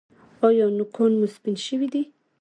ایا نوکان مو سپین شوي دي؟